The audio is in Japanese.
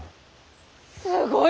すごい！